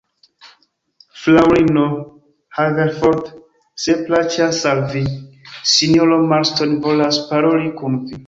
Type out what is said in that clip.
Fraŭlino Haverford, se plaĉas al vi, sinjoro Marston volas paroli kun vi.